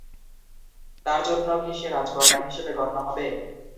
তার জন্য কি সে রাজকন্যা হিসেবে গণ্য হবে?